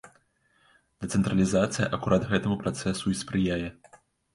Дэцэнтралізацыя акурат гэтаму працэсу і спрыяе.